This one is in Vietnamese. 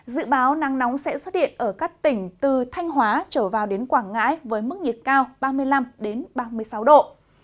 dự báo nắng nóng sẽ xuất hiện ở các tỉnh từ thanh hóa trở vào đến quảng ngãi với mức nhiệt cao ba mươi năm ba mươi sáu độ